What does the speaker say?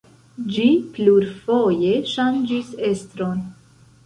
Ĝi plurfoje ŝanĝis estron.